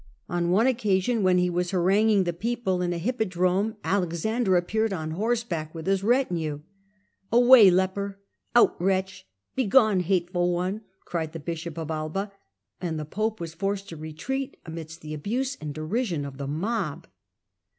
On one occasion when he was haranguing the people in a hippodrome Alexan der appeared on horseback with his retinue. ' Away, leper ! Out, wretch ! Begone, hateful one !' cried the bishop of Alba, and the pope was forced to retreat amidst the abuse and derision of the mob.